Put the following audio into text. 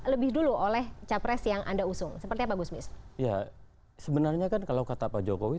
lebih dulu oleh capres yang anda usung seperti apa gusmis ya sebenarnya kan kalau kata pak jokowi